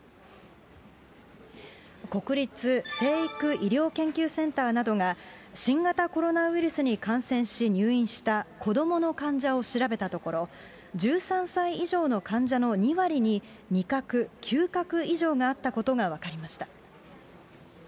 国立成育医療研究センターなどが、新型コロナウイルスに感染し入院した子どもの患者を調べたところ、１３歳以上の患者の２割に、味覚、きゅう覚異常があったことが分かりました。